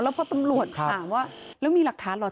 แล้วพอตำรวจถามว่าแล้วมีหลักฐานเหรอ